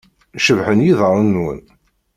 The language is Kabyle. Cebḥen yiḍarren-nwen.